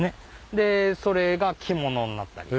それが着物になったり。